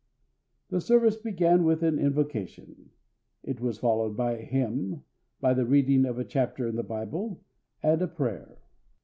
The service began with an invocation. It was followed by a hymn, by the reading of a chapter in the Bible, and a prayer.